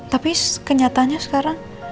tapi kenyataannya sekarang